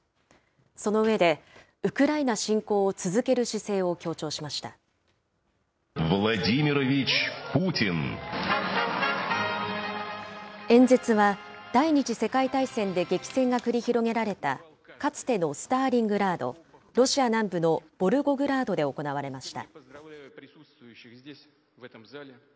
その上で、ウクライナ侵攻を続け演説は、第２次世界大戦で激戦が繰り広げられたかつてのスターリングラード、ロシア南部のボルゴグラードで行われました。